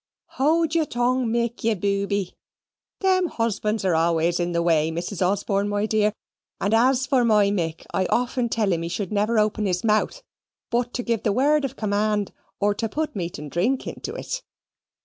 "Hould your tongue, Mick, you booby. Them husbands are always in the way, Mrs. Osborne, my dear; and as for my Mick, I often tell him he should never open his mouth but to give the word of command, or to put meat and drink into it.